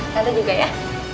tante juga ya